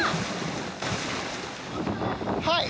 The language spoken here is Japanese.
はい。